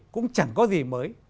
cũng chẳng có gì mới